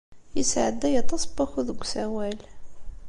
Yesɛedday aṭas n wakud deg usawal.